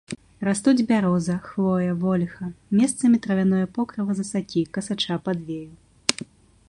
Растуць бяроза, хвоя, вольха, месцамі травяное покрыва з асакі, касача, падвею.